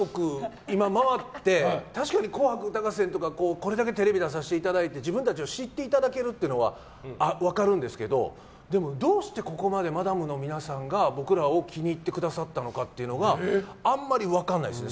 今、回って確かに「紅白歌合戦」とかこれだけテレビに出させていただいて自分たちを知っていただいているのは分かるんですけどでも、どうしてここまでマダムの皆さんが僕らを気に入ってくださったのかというのがあんまり分からないですね。